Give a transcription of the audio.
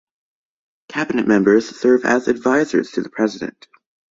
Cabinet members serve as advisors to the president.